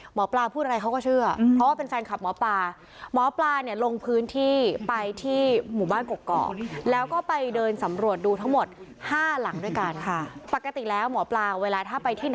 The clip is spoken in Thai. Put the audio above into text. หมอปลาพูดอะไรเขาก็เชื่อเพราะว่าเป็นแฟนคลับหมอปลา